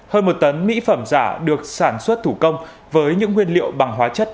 hơn một tấn mỹ phẩm giả được sản xuất thủ công với những nguyên liệu bằng hóa chất